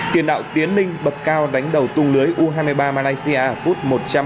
tiền đạo tiến linh bậc cao đánh đầu tung lưới u hai mươi ba malaysia ở phút một trăm một mươi một